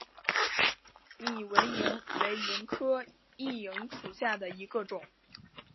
拟纹萤为萤科熠萤属下的一个种。